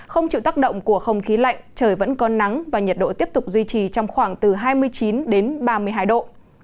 không chịu tác động của không khí lạnh trời vẫn có nắng và nhiệt độ tiếp tục duy trì trong khoảng từ hai mươi chín đến ba mươi hai độ